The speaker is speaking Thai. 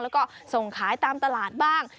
แล้วก็ส่งขายตามตลาดบ้าง